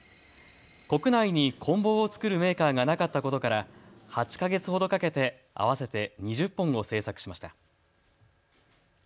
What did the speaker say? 国内にこん棒を作るメーカーがなかったことから８か月ほどかけて合わせて２０本を製作しました。